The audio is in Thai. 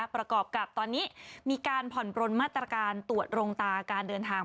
ประกอบกับตอนนี้มีการผ่อนปลนมาตรการตรวจโรงตาการเดินทาง